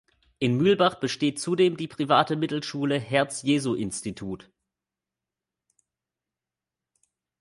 In Mühlbach besteht zudem die private Mittelschule „Herz-Jesu-Institut“.